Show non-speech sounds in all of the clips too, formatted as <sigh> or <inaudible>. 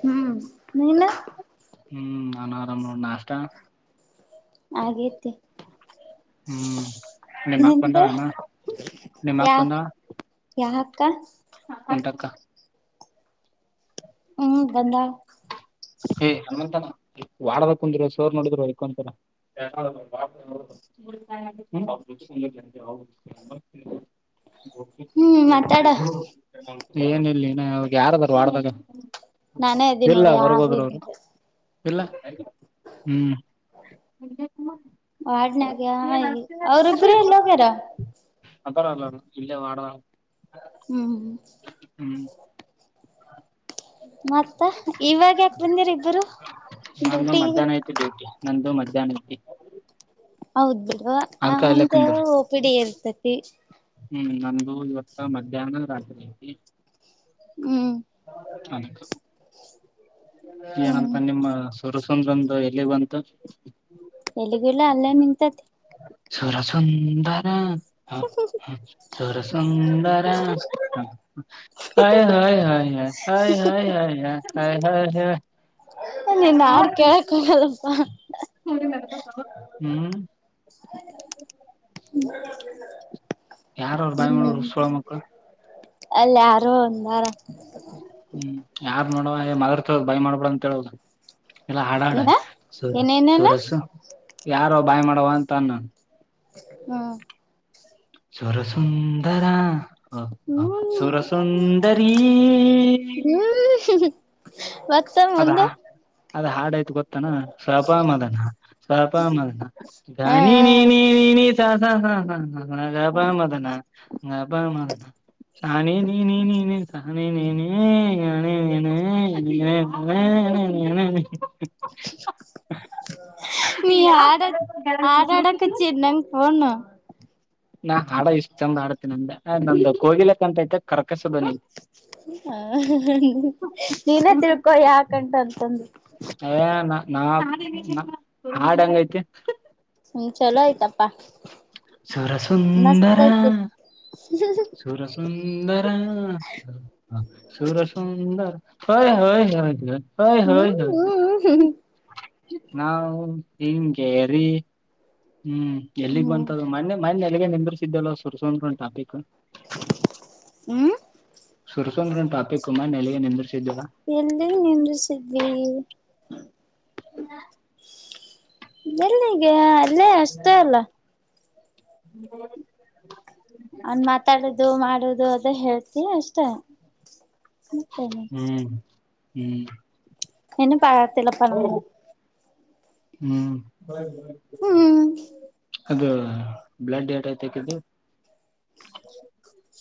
ಹ್ಮ್ ನೀಲ್ಲ ಹ್ಮ್ ನಾನ ಆರಾಮ ನೋ ನಾಸ್ತಾ ಹಾಗೆ ಹ್ಮ್ ನಿಮ್ ಅಕ್ ನಂತ ಬಂದಾಳಣ ನಿಮ್ ಯಾಕ ಯಾ ಕ <inaudible> ಒಟಕ್ಕ ಹ್ಮ್ ಬಂದ ಹ ವಡದ ಕುಂದಿರ ಸೋರ್ ನೋಡಿದ್ರು ಅಕ್ಕಂತರ <inaudible> ಹ್ಮ್ ಮಾತಾಡ ಏನ ಇಲ್ಲಿ ಅವವಾಗ ಯಾರಾದಾರರು ವಡ್ದಾಗ ನಾನೇ ಇದೀನಿ ನೋಡ ಯಾರು ಇಲ್ಲ ಇಲ್ಲ ಹ್ಮ ವಾರ್ಡ್ನಾಗ ಅವ್ರಿಬ್ರು ಎಲ್ಲೋಗ್ಯಾರ ಅ <inaudible> ಥರಲ್ಲ ಮಾಡಡ ಹ್ಮ್ ಹ್ಮ ಮತ್ತ ಇವಾಗ ಬಂದಿರಿ ಇಬ್ಬರು ನಂದು ಡ್ಯೂಟಿ ಮಧ್ಯಾಹ್ನ ಐತಿ ಡ್ಯೂಟಿ ನಂದು ಮಧ್ಯಾಹ್ನಕ್ಕೆ ಹೌದ್ ಬಿಲ್ವಾಂತ ಕುಂದ್ರು ಓಪಿ ಡಿ ಇರ್ತತಿ ಹ್ಮ್ ನಮ್ದ ಇವತ್ತ ಮಧ್ಯಾಹ್ನದ ರಾತ್ರಿ ಐತಿ ಹೌ ಅದ ಹ <inaudible> ಏನಂತ ನಿಮ್ಮ ಸುರು ತೊಂದ್ರಂದು ಎಲ್ಲಿ ಬಂತ ಎಲ್ಲಿಗೂಲ್ಲ ಅಲ್ಲೇ ನಿಂತತಿ ಸುರ ಸುಂದರ ಹ ಸರ ಸುಂದರ ಹ <unintelligible> ಹಾ ಹಾ ಹಾ ನೀನ್ ನಾಡ್ ಕೇಳಕ್ ಕೊಡಲ್ಲಪ್ಪ ಹ್ಮ್ ಹ್ಮ ಯಾರ ಅವ್ರು ಬಾಯಿ ಮಾಡವರು ಸೋಳ ಮಕ್ಳು ಅಲ್ಲ ಯಾರು ಒಂದಾರ ಮಾಡ ಮತರ್ತದ ಬ್ ಮಾಡ್ಬಡ ಅಂತ ಹೇಳದು ಎಲ್ಲ ಹಾಡಾಡ ಏನ ಸ ಏನೇನೇನ ಸೂರಸ ಯಾರ ಬಾಯ್ ಮಾಡವ ಅಂತ ಅ್ಣನ್ ಹಾ ಸರ ಸುಂದರ ಹಾ ಹ ಹ್ಮ್ ಸುರಸುಂದರ ಹ ಮಸ ಮುಂದೆ ಅದು ಹಾಡ ಗೊತ್ತನಾ ಶಪಾ ಮದನ ಶಪ ಮದನ ಗ ಹ ನೀ ಹ ಹಾ ಹಾ ಹಾ ಹಾ ನಬ ಮದಾನ ಹಂಗ ಅಬ ಶಾನೆ ನೀ ನೀ ಸಾನೆ ನನೆ ನಾನೇ ನ ಹ್ಮ ಹ ನೀ ಆಡ ಆಡಾ ಆಡ ಕ ಚಿನಂಗ ಪಣ ನಾ ಹಾಡ ಇಷ್ಟ್ ಚಂದ ಆಡತಿನ ಅಂದ ನಂದ ಕೋಗಿಲೇ ಕಂಠ ಅಂತ ಐತಿ ಕರೆಕ್ಟ್ ಹ ನೀನೇ ತಿಳ್ಕೊ ಯಾಕ ಅಂತ ಅಂತ ಅಂದು ಏ ನಾ ನಾ ಹಾಡು ಹೆಂಗ ಐತಿ ಚೋಲ ಆಯ್ತಪ್ಪಾ ಮಸ್ತ್ ಸುರಸುಂದರ ಐತಿ ಸುರಸುಂದರ ಸುರಸುಂದರ ಹೈ ಹೈ ಹೈ ಹಯ ಹ್ಮ್ ಹ ಹ ಹ್ಮ್ ನಾವು. ಹೆಂಗೇರಿ ಹ್ಮ್ ಎಲ್ಲಿಗ್ ಹ್ಮ್ ಬಂತ ಹ್ಮ್ ಅದು ಮೊನ್ನೆ ಮೊನ್ನೆ ಇಲ್ಲ ನಿಂದ್ರಸಿದ್ದಿವಿ ಅಲ್ಲ ಸುರಸುಂದರನ ಟಾಪಿಕ್ ಹ್ಮ. ಸುರಸುಂದ್ರನ್ ಟಾಪಿಕ್ ಮೊನ್ನೆ ಎಲ್ಲಿಗೆ ನಿಂದ್ರಸೀದಿವಿ ಎಲ್ಲಿ ನಿಂದಿಸಿದ್ವಿ. ಹ. <unintelligible> ಎಲ್ಲಿಗೆ ಅಲ್ಲೇ ಅಷ್ಟೇ ಅಲ್ಲ. ಹ್ಮ್. <unintelligible> ಅವನ್ ಮಾತಾಡದು ಮಾಡದು ಅದ ಹೇಳ್ತಯಿ ಅಷ್ಟೇ ಅಷ್ಟೆ ಮತ್ತೇ ಏನು ಹ್ಮ್ ಹ್ಮ್. ನೆನಪ ಆಗಕತ್ತಿಲ್ಲಪ್ಪ ನನಗ ಹ್ಮ್. ಹ. <unintelligible> ಹ್ಮ್ ಅದು ಬ್ಲಡ್ ಹೆಟ ಐತಿ ಅಕಿದು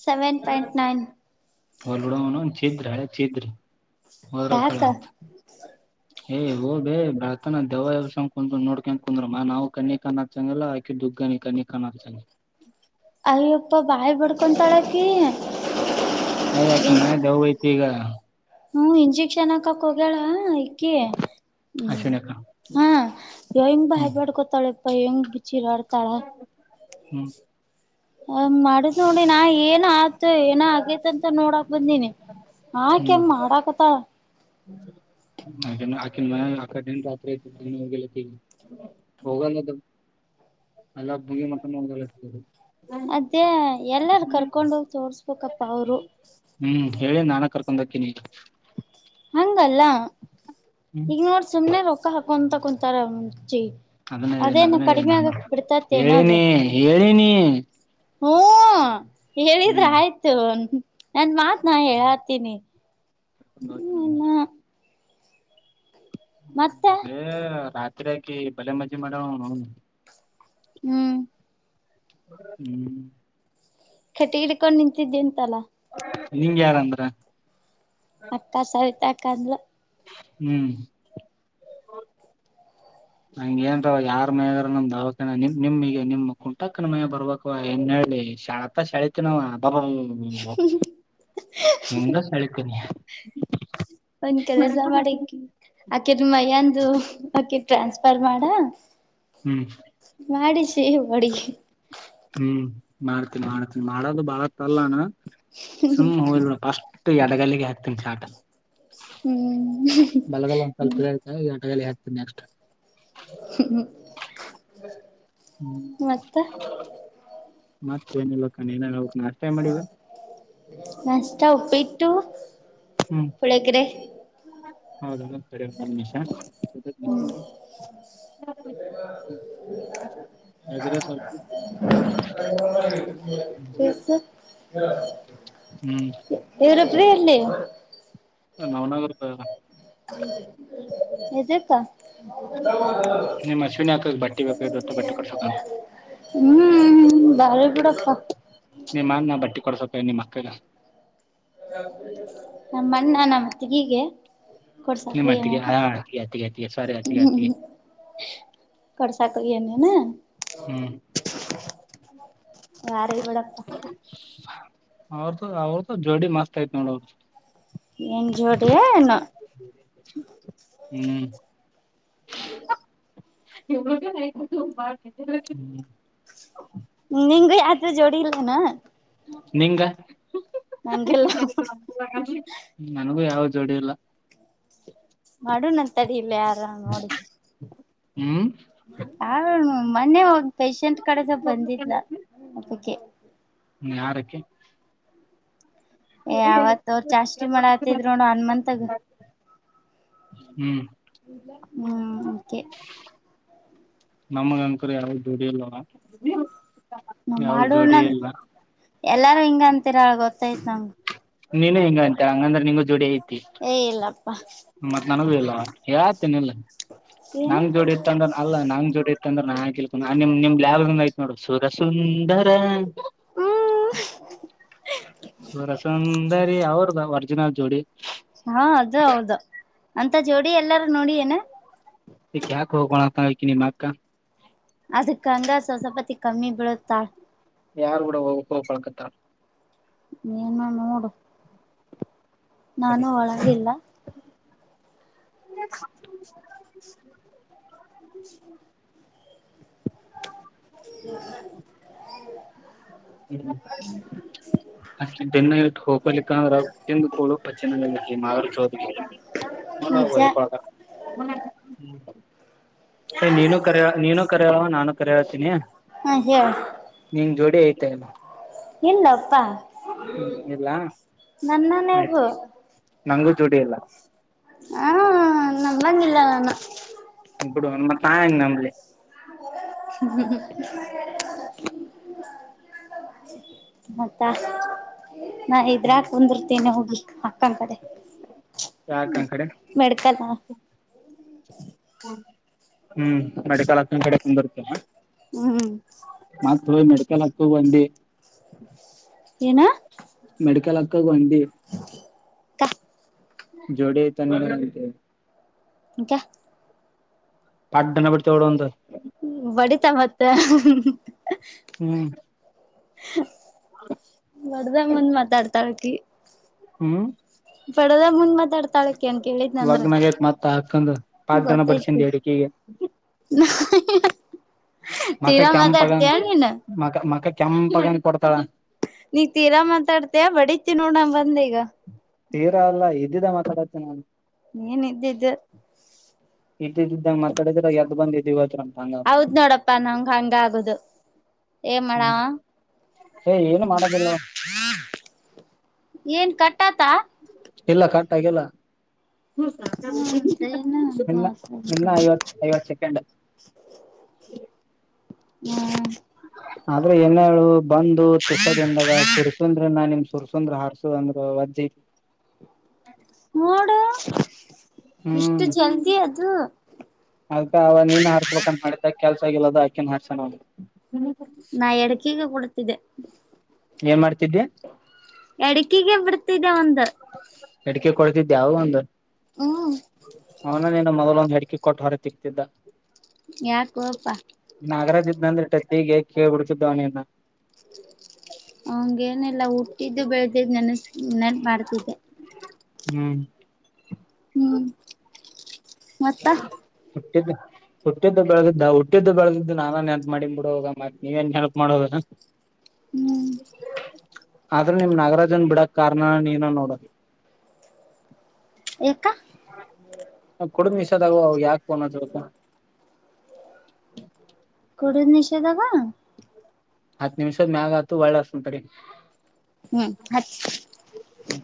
ಸೆವೆನ್ ಪಾಯಿಂಟ್ ನೈನ್. ಹೋಲಿ ಬಿಡು ಅವ ನೌನ್ ಛಿದ್ರ ಹಳೆ ಛಿದ್ರ. ಯಾಕ ಹಾಕಲ್ಲ ಅಂತ ಏ್ ಹೋಗ ಬೇ ಬೆಳತನ್ ದೆವ್ವ ಎಬ್ಸಂದ ಕುಂದ ನೋಡಕೊಂದ ಕುಂದ್ರಮ್ಮ ನಾವು ಕಣ್ಣಿಗೆ ಕಣ್ಣ ಅಚ್ಚಂಗಿಲ್ಲ ಆಕೆ ದುಗ್ಗನಿ ಕಣ್ಣಿಗಿ ಕಣ್ಣ ಅಚ್ಚಂಗಿಲ್ಲ ಅಯ್ಯಪ್ಪ ಬಾಯಿ ಬಡ್ಕೊಂತಾಳ ಹಕಿ ಹೆ ಅಕಿನ್ ಮೈಯ್ಯಾಗ ದೆವ್ವ ಐತಿ ಈಗ. ಹ್ಮ ಇಂಜೆಕ್ಷನ್ ಹಾಕಕ್ ಹೋಗಳ ಹಕಿ ಹ್ಮ ಅಶಿಣಕ್ಕ ಹಾ ಹೆಂಗ ಬಾಯಿ ಹ್ಮ್ ಬಡ್ಕೊತಾಳ ಯಪ್ಪೋ ಅಯ್ಯಂಗ ಚಿರೋಡ್ ತಾಳ ಹ್ಮ್ ಹ ಮಾಡ. ನೋಡಿ ನಾ ಏನ್ ಆತು ಏನ ಆಗೇತಂತ ನೋಡ. ಬಂದೇನೆ. ಹ್ಮ್ ಆಕೆ ಮಾಡಾಕತ್ತ. <unintelligible> ಅ ರೋಗ ತಿ ಹೋಗ ನ ತ. ಎಲ್ಲಾ ಬುಗಿ ಮಕ್ಕನ್ಲ್ಲ ಇರ್ತದು. ಕರ್ಕೊಂಡೋಗಿ ತೋರ್ಸ್ಬೇಕಪ್ಪಾ ಅವ್ರು. ಹ್ಮ್ ಹೇಳಿ ನಾನ ಕರ್ಕೊಂಡ ಹಾಕಿನಿ ಹಂಗಲ್ಲಾ. ಹ್ಮ್ ಈಗ ನೋ ಸುಮಮ್ಮನೆ ರ. ಕಂತ ಕುಂತ ರಚ. ಅದನ್ನ ಹೇಳನಿ ಅದನ್ನ ಹೇಳೀನಿ ನಾನು ಅದು ಹೇಳನಿ ಹೇಳಿನಿ. ಹ್ಮ. ಹೇಳಿದ್ರೆ ಹ್ಮ್ ಆಯ್ತು. ನನ್ ಮಾತ್ ನಾನ್ ಹೇಳತೀನಿ. ಬಹತ್ ನಂದ. ಹ್ಮ <inaudible> ಮತ್ತ ತ್. <inaudible> ಹಕಿ ಬಲೆ ಮಜ್ಜಿ ಮಾಡೋ. ಹ್ಮ್. ಹ್ಮ್. ಕಟ್ಟಿಗಿಡ್ಕೊಂಡು ನಿಂತಿದ್ದೆಂತಲ್ಲಾ. ನಿಂಗ ಯಾರಂದ್ರ. ಅಕ್ಕ ಸಹಿತ. ಕಂದ್ಲು ಹ್ಮ್. ಹಂಗ ಏನ್ರವ ಯಾರ್ ಮೈದಾರ ನಮ್ ದಾವಕ ನಿಮ್ ನಿಮಗ ನಿಮ್ ಕುಂಟಾಕ್ಕನ ಮೈ ಬರ್ಬೇಕ ಏನ್ ಹೇಳಿತ ಶಳತಿ ನವ. ಅಬ ಹಂಗ ಹಳತೀನಿ. ಹ್ಮ. <inaudible> ಒಂದ್ ಕೆಲಸ ಮಾಡಕಿ. ಆಕೆದ್ರ ಮಯ್ಯಂದು ಆಕೆ ಟ್ರಾನ್ಸ್ಫರ್ ಮಾಡ. ಹ್ಮ್. ಮಾಡಿಸಿ ಹೊಡಿ. ಹ್ಮ್ ಮಾಡ್ತೀನಿ ಮಾಡ್ತೀನಿ ಮಾಡೋದು ಬಾಳ ತಲ್ಲಾನ. ಸುಮ್ ಮೊಬೈಲ್ ಪಾಸ್ಪ. ಎಡಗಲ್ಲಿಗೆ ಹಾಕ್ತನಿ ಸ ಆಟ. ಹ್ಮ್ ಸ್ವಲ್ಪ ಹ್ಮ. ಇದಾಯ್ತ ಎಡಗಲ್ಲಿ ನೆಕ್ಸ್ಟ್. ಹ್ಮ್ ಮತ್ತ ಮ. ಏನಿಲ್ಲಕ್ಕ ನ. ಮಷ್ಟ ಉಪ್ಪಿತ್ತುು. ಹ್ಮ್ ಪುಳೇಕರೆ. ಹೌದಲ್ಲ ಸರಿ ಒಂದ್ ನಿಮಿಷ ಹ ಮಾಡಿ ಎಗ್ರೆಸ್ ಹ್ಮ್ ಎವರು ಪ್ರ್ರ ಇಲ್ಲಿ. <unintelligible> ನವನಗರದ ಹೆಜಕ್ಕಾ ನಿಮ್ಮಶನ್ ಹಕ ಬಟ್ಟೆ ಬೇಕ ಬಟ್ಟೆ ಕೊಡ್ಸೋಣ ಹ್ಮ್ ಬಾರಿ ಬಿಡಪ್ಪ ನಿಮ್ಮಾ ಬಟ್ಟಿ ಕೊಡ್ಸ ಮಕ್ಕಲ್ಲ ನಮ್ಮ್ಣ ನಮ್ಮ ತಗೀಗೆ ನಿಮ್ಮ್ತ್ತಿಗೆ ಹ ಅತಿಗೆತ್ತಗೆ ಸಾರಿ ಅತಿಿಗೆತಿಗೆ ಚಕರಿ ಅನ ನ ಹ್ಮ್ ಯಾರಿ ಬಿಡಪ್ಪ ಅವ್ರ್ದ ಅವ್ರ್ದ ಜೋಡಿ ಮಸ್ತ್ ಆಯ್ತ್ ನೋಡೋರು ಎ ಜೋಡೇ ಹ್ಮ್ ಹ್ಮ ಎ <unintelligible> ನಿಂಗಂಗೂ ಆತ್ರ ಜೋಡಿ ಇಲ್ಲನಾ ನಿಂಗ ನಂಗಿಲ್ಲ ನಾನ ಯ ಜೋಡಿಲ್ಲ ಮಾಡಣ ಅಂತಡ ಇಲ್ಲ ಯಾರ ನೋಡಿ ಹ್ಮ್ ಯಾರ ಮನೆ ಹೋಗ ಪೇಶಂಟ್ ಕಡೆಸ ಬಂದಿದ್ಲ ಅಕ್ಕೆ ಯಾರಕ್ಕೆ ಏ ಅವಾವತ್ ಅವ್ರ ಚಾಸ್ತಿ ಮಾಡಾತಿದ್ ನೋಡ ಆನ್ ಮಂತ್ಗ್ ಹ್ಮ್ ಹ್ಮ್ ಕೆ ನಮಗ ಅನ್ಕರಿ ಯಾವ ದದುಡಿ ಇಲ್ವಾ ನ ಮಾಡರ್ನ ಎಲ್ಲಾರೂ ಹಿಂಗ ಅಂತರ ಅಳ್ಗೋ ಸಾಯತಂಗ ನೀನು ಹಿಂಗ ಅಂತ ಹಂಗಂದ್ರೆ ನಿಂಗು ಜೋಡಿ ಐತಿ ಏ ಇಲ್ಲಪ್ಪಾ ಮತ್ತ್ ನನಗೂ ಇಲ್ಲ ಯತ್ ಏನು ನಂಗ ಜೋಡಿ ಇತ್ತ ಅಂದ್ರ ಅಲ್ಲ ನಂಗ ಜೋಡಿ ಇತ್ತ ಅಂದ್ರೆ ನಾಕೊಂಡ ನಿ ನಿಮ್ ನೋಡು ಸುರ ಸುಂದರ ಿನ ಜೋಡಿ ಹಾ ಅದು ಹೌದು ಅಂತ ಜೋಡಿ ಎಲ್ಲಾರ ನೋಡಿ ಏನ ಈ ಯಾಕೆ ಹೋಗೋಣ ನಿಮ್ಮ ಅಕ್ಕ ಅದಕ್ಕಂಗ ಸ್ವಸಪಾತಿ ಕಮ್ಮಿ ಬಿಡುತ್ತಾ ಯಾರು ಕೂಡ ಒಪಳಕದಾರ ಏನೋ ನೋಡು ನಾನು ಒಳಗಲ್ಲ ಹ <unintelligible> ಹ್ಮ ಅಷ್ಟನ್ನ ಇಟ್ಟು ಹೋಗಪರ್ಲಿಕ್ಕಂದ ತಿಂದುಕಳು ಬಚ್ಚಿಿನಗಲ್ಲಿಕ್ಕೆ ಮಾಗರು ಚೌಧಕ್ಕೆಳ ನಿಜ ಏ ನೀನು ಕರ ನೀನು ಕರ ನಾನು ಕರ ಹಳ್ತೀನಿ ಹ ಹೇಳ ನಿನ್ ಜೋಡಿ ಐತಿ ತ್ತನು ಇಲ್ಲಪ್ಪಾ ಇಲ್ಲ ನನ್ನನ್ಗು ಆಯ್ತು ನಂಗೂ ಜೋಡಿ ಇಲ್ಲ ಹ ನಂಬಂಗಿಲ್ಲಲ್ಲಾನ ಇಡು ಮ ಸಂಗ ನಂಬಲ್ಲಿ ಹ್ಮ ಮತ್ತಾ ನಾ ಇದ್ರಾಕ ಕುನ್ದಿರ್ತೇನೆ ಹೋಗಿ ಅಕ್ಕ ಕಡೆ ಯಾಕ ಆ ಕಡೆ ಮೆಡ್ಕಲ್ಲ ಹ್ಮ್ ಮೆಡಿಕಾಲ ಕಂದ ಬರ್ತರ ಹ್ಮ್ ಹ ಮೆಡ್ಕಲ್ ಹಾಕ್ಕ ಬಂದಿ ಏನ ಮೆಡಿಕಲ್ ಹಾಕ್ಕೋಗುವಂ ಹ ಹಾ ಜೊಡಿ ತ ನೀ ಇಕ ಪಾಡ್ಡನ್ನ ಬಿಡ್ತಡ ಒಂತ ಬಡಿತಾಳ್ ಮತ್ತೆ ಹ್ಮ್ <unintelligible> ಬಡದರ್ ಮುಂದ್ ಮಾತಾಡ್ ಥರ್ಟಿ ಹ್ಮ್ ಬಡದರ್ ಮುಂದ್ ಮಾತಾಡ್ ಮಾತಾಡ್ತಾಳಾಕಿ ಹಂಗ್ ಕೇಳಿದ್ನಂದ್ರ ಲಗ್ನ ಆಗೇತ್ ಮತ್ ಆ ಅಕ್ಕಂದು ಪಟ್ಟನ ಗೊತ್ತಾಯ್ತಿ ಬಡ್ಸಿಂದ ಎಡಕಿಗೆ <unintelligible> ಮಕ ಕೆಂಪಾಗಂಗ್ ಮಕ ಮಕ ಕೆಂಪಾಗಂಗ್ ಕೊಡ್ತಾಳ ನೀ ತೀರಾ ಮಾತಾಡ್ತೀಯಾ ಬಡಿತಿ ನೋಡ ಬಂದೀಗ ತೀರಾ ಅಲ್ಲ ಇದ್ದಿದ್ದೆ ಮಾತಾಡತ್ತೇನ್ ನಾನು ನೀನ್ ಇದ್ದಿದ್ದು ಇದ್ದಿದ್ದಿದ್ ಇದ್ದಂಗ್ ಮಾತಾಡಿದ್ರ ಎದ್ದ್ ಬಂದ್ ಎದಿಗ್ ಒದ್ದ್ರಂತ್ ಹೌದ್ ನೋಡಪ್ಪಾ ನಂಗ ಹಂದ ಆಗುದು ಏನ್ ಹ್ಮ್ ಮಾಡಾವ ಏ ಏನು ಮಾಡೋದಿಲ್ಲ ಏನ್ ಕಟ್ ಟತಾ ಇಲ್ಲ ಕಟ್ ಆಗಿಲ್ಲ ಹ್ಮ ಇದು ಇನ್ನ ಇನ್ನ ಐವತ್ತ್ ಐವತ್ತ್ ಸೆಕಂಡ್ ಹ್ಮ ಆದ್ರೆ ಏನ ಹೇಳು ಬಂದು ತುಸದ ದಿನದಾಗ ಸುರ್ಸುಂದ್ರ ನಾ ನಿಮ್ ಸುರ್ಸುಂದ್ರ ಹಾರಸು ಅಂದ್ರ ವಜ್ಜಿ ನೋಡು ಇಷ್ಟು ಹ್ಮ್ ಜಲ್ದಿ ಅದು ಅದ್ಕ ಅವ ನೀನ್ ಹಾರ್ಸ್ಬೇಕಂತ ಮಾಡಿದ್ದ ಕೆಲ್ಸ ಆಗಿಲ್ಲ ಅಂದ್ ಆಕೆನ್ ಮಾಡ್ಸಣ ಅಂದ್ರ್ ನಾ ಎಡಕಿಗೆ ಕೊಡ್ತಿದ್ದೆ ಏನ್ ಮಾಡ್ತಿದ್ದೆ ಎಡಕಿಗೆ ಬಿಡ್ತಿದ್ದೆ ಒಂದ್ ಎಡಕಿಗೆ ಕೊಡ್ತಿದ್ಯಾ ಆವಾಗ್ ಒಂದು ಹ್ಮ್ ಅವನು ನೀನು ಮೊದಲಂದು ಹೆಡಿ ಕಿ ಕೊಟ್ಟ್ ಹೊರೆ ತಿಗ್ತಿದ್ದ ಯಾಕೋ ಅಪ್ಪ ಇಲ್ಲಂದ್ರ ಟಕ್ಕಿಗೆ ಕೇಳ್ಬಿಡ್ತಿದ್ದ ಅವ್ನ್ ನಿನ್ನ ಹಂಗೇನೆಲ್ಲ ಹುಟ್ಟಿದ್ದು ಬೆಳದಿದ್ ನೆನಸ್ ಇನ್ನೆನ್ ಮಾಡ್ತಿದ್ದೆ ಹ್ಮ್ ಹ್ಮ್ ಮತ್ತ ಹ್ಮ್ <unintelligible> ಏಕ <unintelligible> ಕುಡ ಮಿಸ್ <unintelligible> ಕೊಡ <unintelligible> ನಿಷೇಧಾಗ ಹತ್ತು ನಿಮಿಷದ ಮ್ಯಾಗ <unintelligible> ಹತು ಒಳ್ಳ ಅಸಂತರಿ ಹ್ಮ್ ಹತ್ <unintelligible>